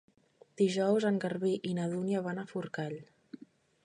Dijous en Garbí i na Dúnia van a Forcall.